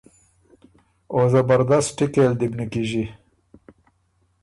او زبردست ټیکئ ل دی بو نیکیݫی۔